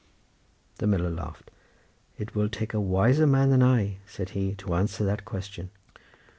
The miller laughed. "It will take a wiser man than I," said he, "to answer that question."